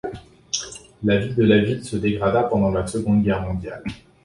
La vie de la ville se dégrada pendant la Seconde Guerre mondiale.